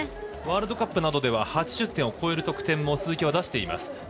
ワールドカップなどでは８０点を超える得点も鈴木は出しています。